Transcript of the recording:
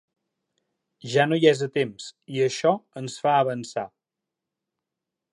Ja no hi és a temps i això ens fa avançar.